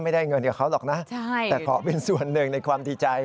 ไม่ได้เงินกับเขาหรอกนะแต่ขอเป็นส่วนหนึ่งในความดีใจ